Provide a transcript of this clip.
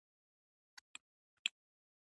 د قوانینو او فرمانونو طرح او ترتیب مهم دي.